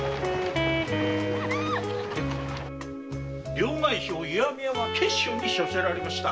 両替商・石見屋は闕所に処せられました。